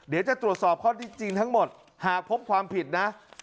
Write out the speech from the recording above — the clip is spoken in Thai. เดี๋ยวจะตรวจสอบข้อที่จริงทั้งหมดหากพบความผิดนะ